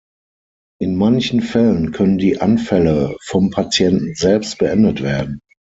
In manchen Fällen können die Anfälle vom Patienten selbst beendet werden.